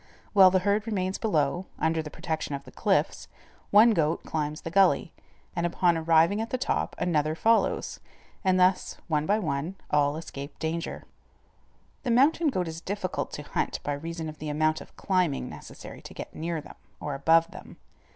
While the herd remains below, under the protection of the cliffs, one goat climbs the gully, and upon arriving at the top another follows, and thus, one by one, all escape danger. [Illustration: 'HAUNT OF THE MOUNTAIN GOAT.'] The mountain goat is difficult to hunt by reason of the amount of climbing necessary to get near them, or above them.